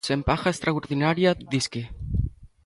Sen paga extraordinaria, disque.